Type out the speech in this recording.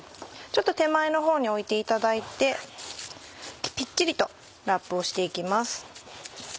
ちょっと手前のほうに置いていただいてぴっちりとラップをして行きます。